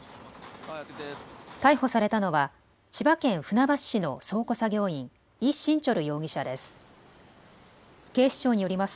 逮捕されたのは千葉県船橋市の倉庫作業員、李臣哲容疑者です。